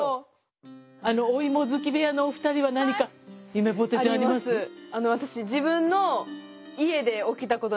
おいも好き部屋のお二人は何かゆめぽてちゃんあります？あります。